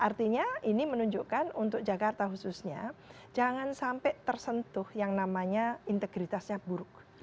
artinya ini menunjukkan untuk jakarta khususnya jangan sampai tersentuh yang namanya integritasnya buruk